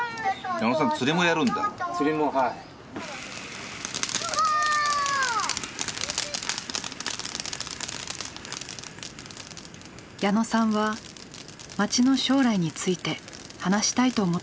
矢野さんは街の将来について話したいと思っていました。